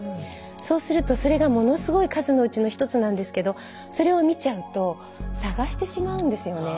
そうするとそれがものすごい数のうちの一つなんですけどそれを見ちゃうと探してしまうんですよね。